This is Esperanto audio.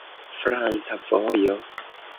Franca vojo.